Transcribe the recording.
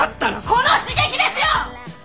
この刺激ですよ！